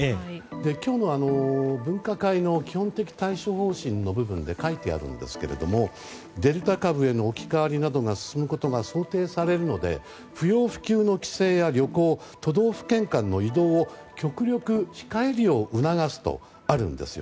今日の分科会の基本的対処方針の部分に書いてあるんですがデルタ株への置き換わりなどが進むことが想定されるので不要不急の帰省や旅行都道府県間の移動を極力控えるよう促すとあるんですよ。